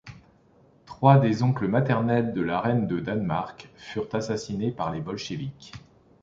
Trois des oncles maternels de la reine de Danemark furent assassinés par les bolcheviks.